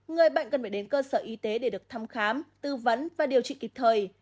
người bệnh cần phải đến cơ sở y tế để được thăm khám tư vấn và điều trị kịp thời